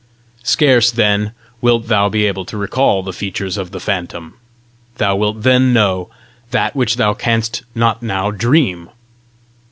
Scarce, then, wilt thou be able to recall the features of the phantom. Thou wilt then know that which thou canst not now dream.